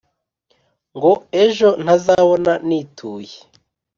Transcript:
ngo ejo ntazabona nituye!